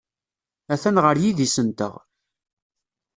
Atan ɣer yidis-nteɣ.